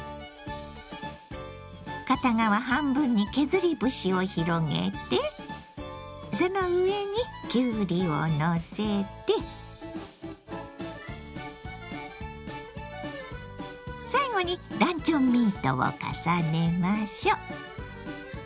片側半分に削り節を広げてその上にきゅうりをのせて最後にランチョンミートを重ねましょう。